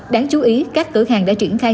đáng chú ý các cửa hàng đã triển khai